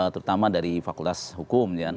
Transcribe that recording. terutama dari fakultas hukum